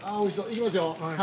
いきますよ。